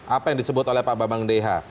apa yang disebut oleh pak bambang deha